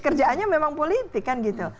kerjaannya memang politik kan gitu